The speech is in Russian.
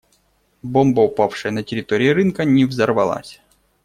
Бомба, упавшая на территории рынка, не взорвалась.